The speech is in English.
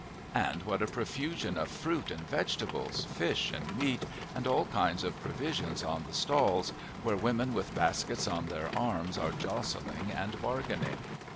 And what a profusion of fruit and vegetables, fish and meat, and all kinds of provisions on the stalls, where women with baskets on their arms are jostling and bargaining!